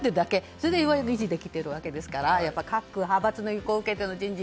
それで維持できてるわけですから各派閥の意向を受けての人事。